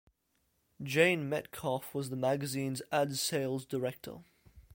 Jane Metcalfe was the magazine's ad sales director.